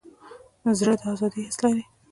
زړه د ازادۍ حس لري.